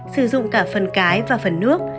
sử dụng cả phần cái và phần nước